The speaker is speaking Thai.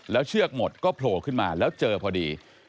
แล้วเชือกหมดก็โผล่ขึ้นมาแล้วเจอพอดี